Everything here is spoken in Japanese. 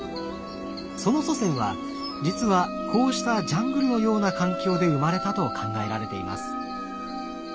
その祖先は実はこうしたジャングルのような環境で生まれたと考えられています。